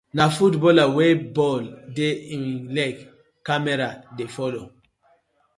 Na footballer wey ball dey im leg camera dey follow.